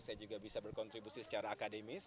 saya juga bisa berkontribusi secara akademis